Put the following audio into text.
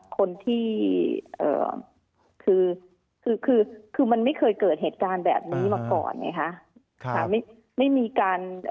คนที่คือคือมันไม่เคยเกิดเหตุการณ์แบบนี้มาก่อนไงคะ